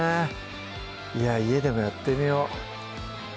家でもやってみよう